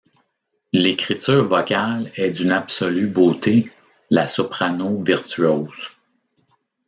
L'écriture vocale est d'une absolue beauté, la soprano virtuose.